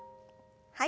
はい。